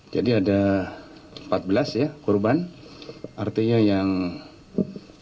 jadi ada empat belas korban artinya yang sekuriti